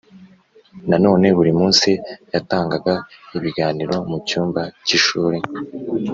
Nanone buri munsi yatangaga ibiganiro mu cyumba cy ishuri